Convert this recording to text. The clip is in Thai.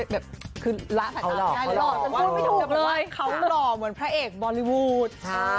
เลยเขาหล่อเหมือนพระเอกบรอลี่วูด